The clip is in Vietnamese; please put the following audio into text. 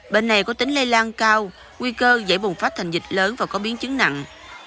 bệnh này có tính lây lan cao nguy cơ dễ bùng phát thành dịch lớn và có biến chứng nặng